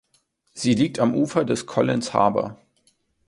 Sie liegt am Ufer des Collins Harbour.